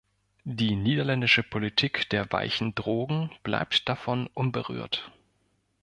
Die niederländische Politik der weichen Drogen bleibt davon unberührt.